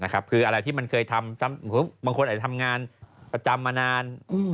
คืออะไรที่มันเคยทำบางคนอาจจะทำงานประจำมานาน